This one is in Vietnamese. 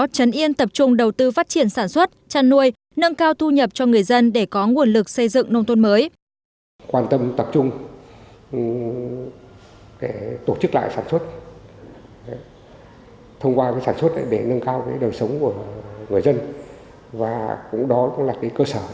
trấn yên tập trung đầu tư phát triển sản xuất chăn nuôi nâng cao thu nhập cho người dân để có nguồn lực xây dựng nông tôn mới